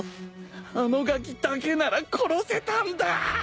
あのガキだけなら殺せたんだ！